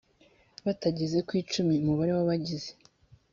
batageze ku icumi umubare w abagize